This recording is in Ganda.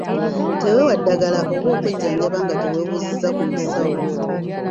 Teweewa ddagala oba okwejjanjaba nga teweebuuzizza ku musawo.